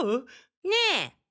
ねえ。